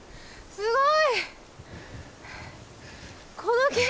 すごい！